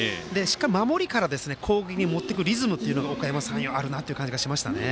守りから攻撃に持っていくリズムがおかやま山陽はあるなという感じがしました。